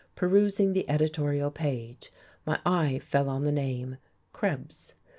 Perusing the editorial page my eye fell on the name, Krebs.